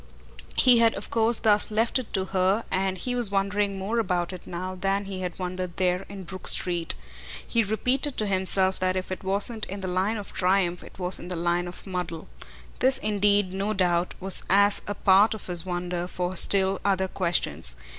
He had of course thus left it to her and he was wondering more about it now than he had wondered there in Brook Street. He repeated to himself that if it wasn't in the line of triumph it was in the line of muddle. This indeed, no doubt, was as a part of his wonder for still other questions.